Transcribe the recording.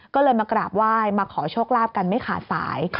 ก็เลยมากราบไหว้มาขอโชคลาภกันไม่ขาดสาย